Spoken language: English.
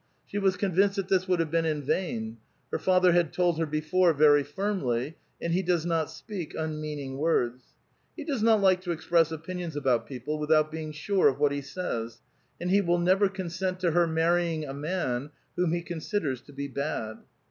She was convinced that this would have been in vain. Her father had told her before very firmly, and he does not speak unmeaning words. He does not like to express opinions about people without being sure of what lie says; and* he will never consent to her marrying a man whom he considers to be bad.